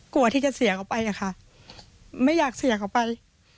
กลัวที่จะเสียเขาไปอะค่ะไม่อยากเสียเขาไป